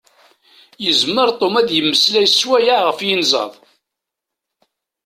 Yezmer Tom ad d-yemmeslay sswayeɛ ɣef yinzaḍ.